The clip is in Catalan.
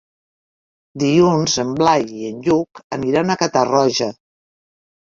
Dilluns en Blai i en Lluc aniran a Catarroja.